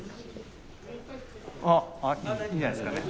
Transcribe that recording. あっあいいんじゃないですかね。